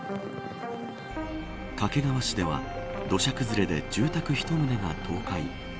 掛川市では土砂崩れで住宅一棟が倒壊。